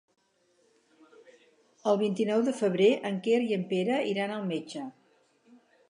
El vint-i-nou de febrer en Quer i en Pere iran al metge.